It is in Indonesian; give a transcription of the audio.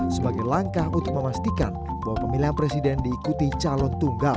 sebagai langkah untuk memastikan bahwa pemilihan presiden diikuti calon tunggal